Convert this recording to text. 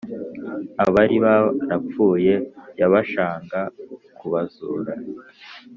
Abari barapfuye yabashaga kubazura